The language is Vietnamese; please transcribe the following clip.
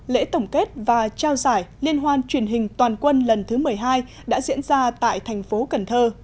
lễ tổng kết và trao giải liên hoan truyền hình toàn quân lần thứ một mươi hai đã diễn ra tại thành phố cần thơ